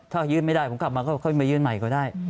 ถ้ายื่นไม่ได้ผมกลับมาค่อยมายื่นใหม่ก็ได้